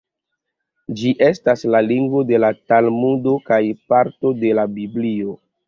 Ĝi estas la lingvo de la Talmudo kaj parto de la Biblio.